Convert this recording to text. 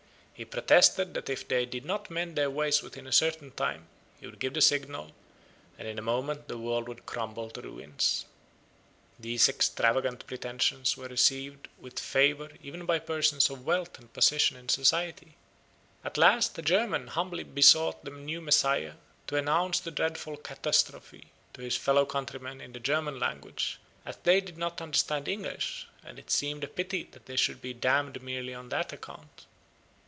He protested that if they did not mend their ways within a certain time, he would give the signal, and in a moment the world would crumble to ruins. These extravagant pretensions were received with favour even by persons of wealth and position in society. At last a German humbly besought the new Messiah to announce the dreadful catastrophe to his fellow countrymen in the German language, as they did not understand English, and it seemed a pity that they should be damned merely on that account.